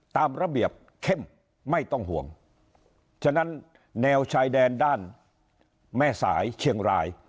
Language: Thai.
ตามระเบียบเข้มไม่ต้องห่วงฉะนั้นแนวชายแดนด้านแม่สายเชียงราย